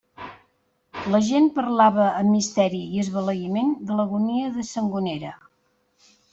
La gent parlava amb misteri i esbalaïment de l'agonia de Sangonera.